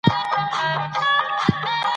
کليمه بايد د ګرامر سره سمه وليکل سي.